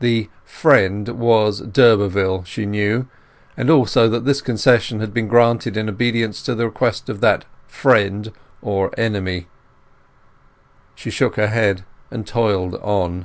The "friend" was d'Urberville, she knew, and also that this concession had been granted in obedience to the request of that friend, or enemy. She shook her head and toiled on.